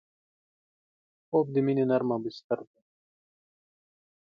خوب د مینې نرمه بستر ده